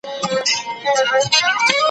تېرول يې نرۍ ژبه پر برېتونو